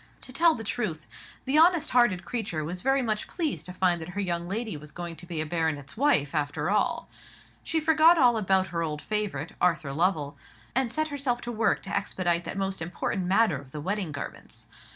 To tell the truth, the honest hearted creature was very much pleased to find that her young lady was going to be a baronet's wife, after all. She forgot all about her old favourite, Arthur Lovell, and set herself to work to expedite that most important matter of the wedding garments.